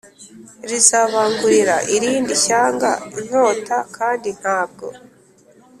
Rizabangurira irindi shyanga inkota kandi ntabwo